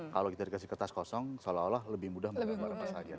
kalau kita dikasih kertas kosong seolah olah lebih mudah menggambar apa saja